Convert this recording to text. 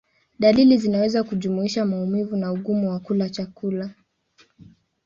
Dalili zinaweza kujumuisha maumivu na ugumu wa kula chakula.